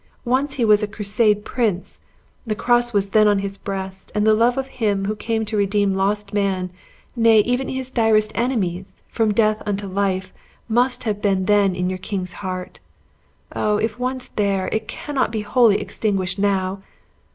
once he was a crusade prince! The cross was then on his breast, and the love of Him who came to redeem lost man, nay, even his direst enemies, from death unto life, must have been then in your king's heart. Oh, if once there, it cannot be wholly extinguished now!